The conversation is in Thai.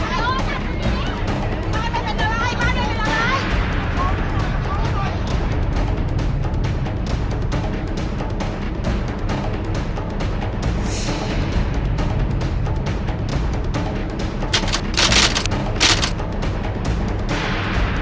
สวัสดีค่ะโปรดติดตามสวัสดีค่ะ